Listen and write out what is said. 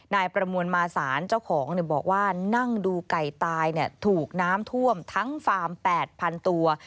นายประมวลมาสารเจ้าของบอกว่านั่งดูไก่ตายถูกน้ำท่วมทั้งฟาร์ม๘๐๐๐ตัว